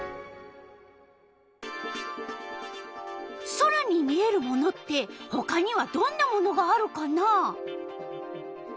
空に見えるものってほかにはどんなものがあるかな？